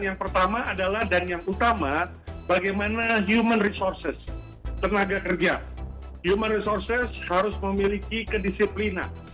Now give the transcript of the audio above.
yang pertama adalah dan yang utama bagaimana human resources tenaga kerja human resources harus memiliki kedisiplinan